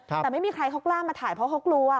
แต่ไม่มีใครเขากล้ามาถ่ายเพราะเขากลัว